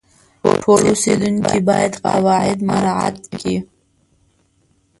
ټول اوسیدونکي باید قواعد مراعات کړي.